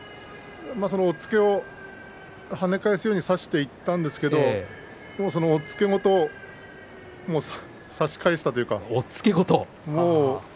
押っつけを跳ね返すように差していったんですが押っつけごと差し返したというか。